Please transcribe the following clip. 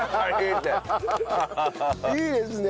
いいですね。